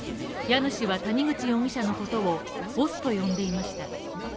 家主は谷口容疑者のことをボスと呼んでいました。